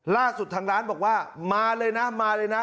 ล่าสุดทางร้านบอกว่ามาเลยนะมาเลยนะ